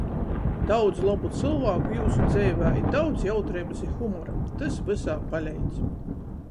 Daudz lobu cylvāku jiusu dzeivē i daudz jautreibys i humora. Tys vysā paleidz!...